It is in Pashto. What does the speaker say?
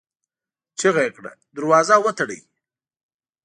چيغه يې کړه! دروازه وتړئ!